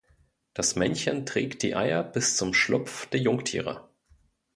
Das Männchen trägt die Eier bis zum Schlupf der Jungtiere.